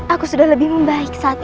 aku sudah lebih membaik saat ini